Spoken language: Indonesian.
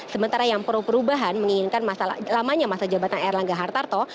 sementara yang pro perubahan menginginkan lamanya masa jabatan erlangga hartarto